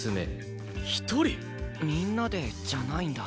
みんなでじゃないんだ。